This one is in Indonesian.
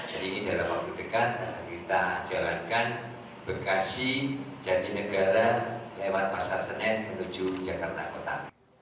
jadi ini dalam pendekatan akan kita jalankan bekasi jatinegara lewat pasar senen menuju jakarta kota